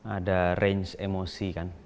ada range emosi kan